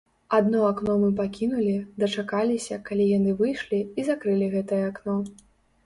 Адно акно мы пакінулі, дачакаліся, калі яны выйшлі, і закрылі гэтае акно.